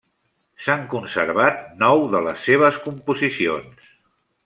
S'han conservat nou de les seves composicions.